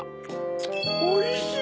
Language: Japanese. おいしい！